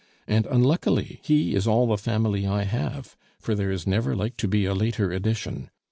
And, unluckily, he is all the family I have, for there is never like to be a later edition.